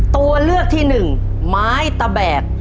ตัวเลือกที่หนึ่งไม้ตะแบก